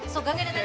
suka gak tadi